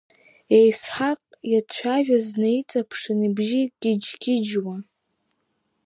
Есҳаҟ иацәажәаз днаиҵаԥшын, ибжьы қыџьқыџьуа.